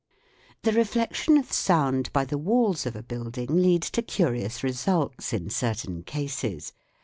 The reflection of sound by the walls of a building leads to curious results in certain cases.